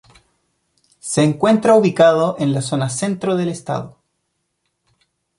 Se encuentra ubicado en la zona centro del estado.